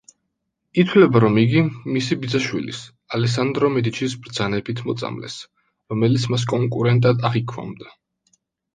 ითვლება, რომ იგი მისი ბიძაშვილის, ალესანდრო მედიჩის ბრძანებით მოწამლეს, რომელიც მას კონკურენტად აღიქვამდა.